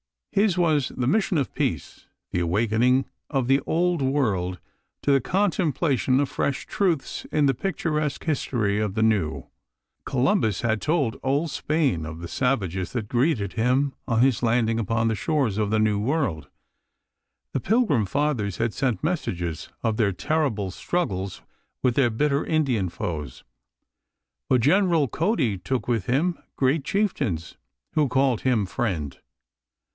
His was the mission of peace; the awakening of the Old World to the contemplation of fresh truths in the picturesque history of the New. Columbus had told old Spain of the savages that greeted him on his landing upon the shores of the New World; the Pilgrim Fathers had sent messages of their terrible struggles with their bitter Indian foes; but General Cody took with him great chieftains who called him friend.